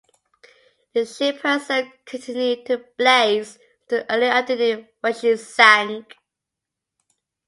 The ship herself continued to blaze until early afternoon, when she sank.